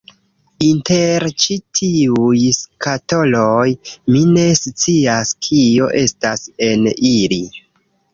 Inter ĉi tiuj skatoloj, mi ne scias kio estas en ili